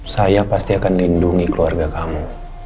saya pasti akan lindungi keluarga kamu